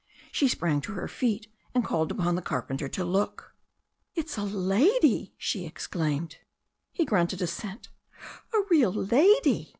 She sprang to her feet and called upon the carpenter to look. "It's a lady," she exclaimed. He grunted assent. "A real lady!"